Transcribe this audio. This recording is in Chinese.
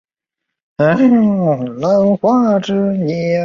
裂叶翼首花为川续断科翼首花属下的一个种。